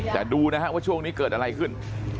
แต่ดูนะฮะว่าช่วงนี้เกิดอะไรขึ้น